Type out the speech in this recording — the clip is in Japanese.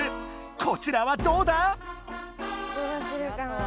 こちらはどうだ